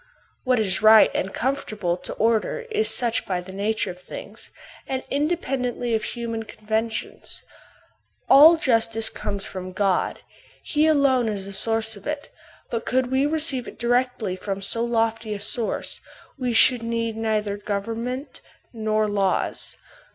What is right and conformable to order is such by the nature of things, and independently of human conven tions. All justice comes from God, he alone is the source of it: but could we receive it direct from so lofty a source, we should need neither government nor laws.